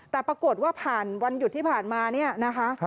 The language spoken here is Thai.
แต่ปรากฏว่าผ่านวันหยุดที่ผ่านมาเนี่ยนะคะ